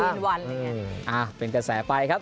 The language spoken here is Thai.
อ่าอืมอืมอืมอ่าเป็นกระแสไปครับ